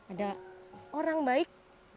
ada orang baik